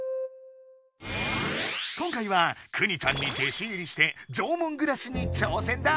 今回はくにちゃんに弟子入りして縄文ぐらしに挑戦だ！